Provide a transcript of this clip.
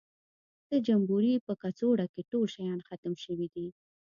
د جمبوري په کڅوړه کې ټول شیان ختم شوي دي.